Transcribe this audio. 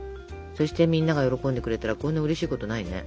そしてみんなが喜んでくれたらこんなうれしいことないね。